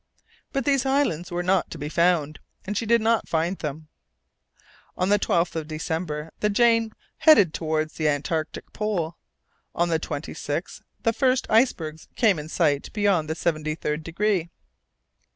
But these islands were not to be found, and she did not find them. On the 12th of December the Jane headed towards the Antarctic pole. On the 26th, the first icebergs came in sight beyond the seventy third degree.